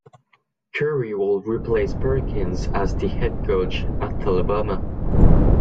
Curry would replace Perkins as the head coach at Alabama.